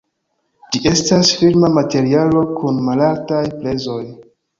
Ĝi estas firma materialo kun malaltaj prezoj.